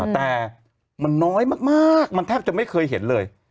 แต่มันน้อยมากมันแทบจะไม่เคยเห็นเลย